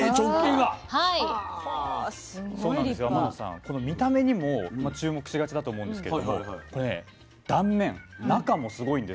この見た目にも注目しがちだと思うんですけれどもこれね断面中もすごいんです。